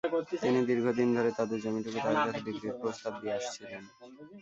তিনি দীর্ঘদিন ধরে তাঁদের জমিটুকু তাঁর কাছে বিক্রির প্রস্তাব দিয়ে আসছিলেন।